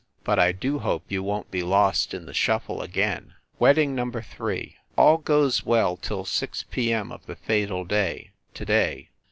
But I do hope you won t be lost in the shuffle again !" Wedding Number Three: All goes well till six p. M. of the fatal day to day.